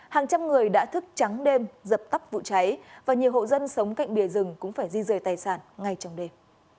hàng trăm người đã thức trắng đêm dập tắt vụ cháy và nhiều hộ dân sống cạnh bìa rừng cũng phải di rời tài sản ngay trong đêm